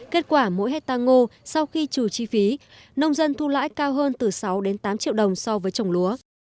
kết quả mỗi hectare ngô sau khi trừ chi phí nông dân thu lãi cao hơn từ sáu đến tám triệu đồng so với trồng lúa